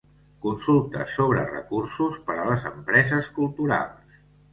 Consultes sobre recursos per a les empreses culturals.